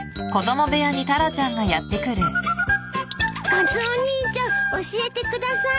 カツオお兄ちゃん教えてください。